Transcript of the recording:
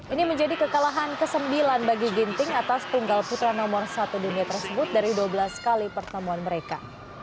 ini menjadi kekalahan ke sembilan bagi ginting atas tunggal putra nomor satu dunia tersebut dari dua belas kali pertemuan mereka